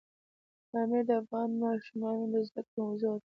پامیر د افغان ماشومانو د زده کړې موضوع ده.